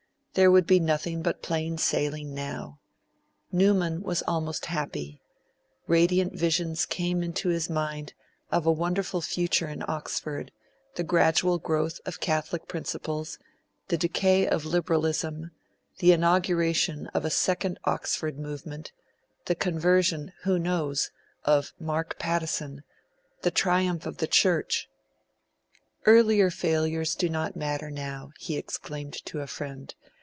There would be nothing but plain sailing now. Newman was almost happy; radiant visions came into his mind of a wonderful future in Oxford, the gradual growth of Catholic principles, the decay of liberalism, the inauguration of a second Oxford Movement, the conversion who knows? of Mark Pattison, the triumph of the Church.... 'Earlier failures do not matter now,' he exclaimed to a friend.